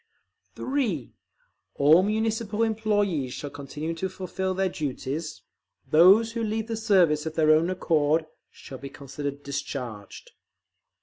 (3) All Municipal employees shall continue to fulfil their duties; those who leave the service of their own accord shall be considered discharged.